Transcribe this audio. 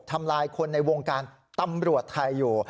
ทำลายคนในวงการตำรวจไทยอยู่